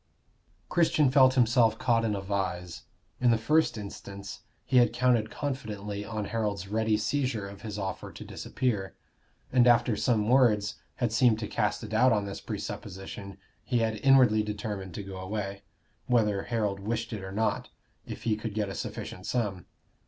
Christian felt himself caught in a vise. In the first instance he had counted confidently on Harold's ready seizure of his offer to disappear, and after some words had seemed to cast a doubt on this presupposition he had inwardly determined to go away, whether Harold wished it or not, if he could get a sufficient sum.